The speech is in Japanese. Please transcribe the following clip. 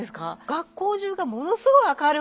学校中がものすごい明るくて。